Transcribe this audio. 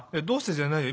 じゃないよ。